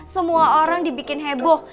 semua orang dibikin heboh